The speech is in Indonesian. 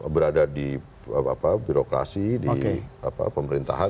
berada di birokrasi di pemerintahan